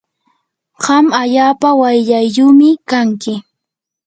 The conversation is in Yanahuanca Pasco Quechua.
qam allaapa wayllaayumi kanki.